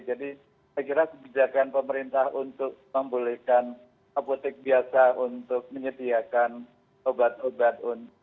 jadi saya kira kebijakan pemerintah untuk membolehkan apotek biasa untuk menyediakan obat obat